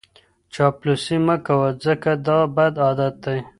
چاپلوسي مه کوه ځکه دا بد عادت دی.